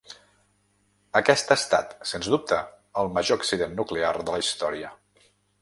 Aquest ha estat, sens dubte, el major accident nuclear de la història.